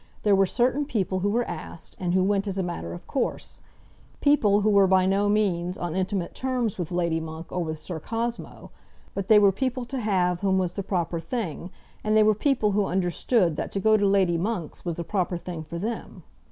There were certain people who were asked, and who went as a matter of course, people who were by no means on intimate terms with Lady Monk, or with Sir Cosmo; but they were people to have whom was the proper thing, and they were people who understood that to go to Lady Monk's was the proper thing for them.